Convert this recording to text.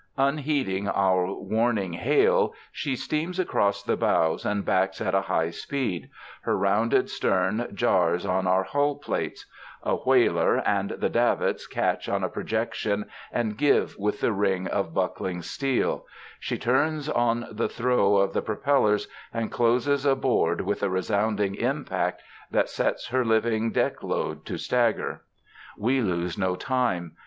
Unheeding our warning hail, she steams across the bows and backs at a high speed: her rounded stern jars on our hull plates, a whaler and the davits catch on a projection and give with the ring of buckling steel she turns on the throw of the propellers and closes aboard with a resounding impact that sets her living deck load to stagger. We lose no time.